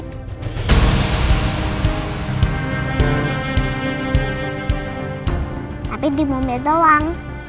tapi di mobil doang